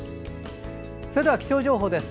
それでは気象情報です。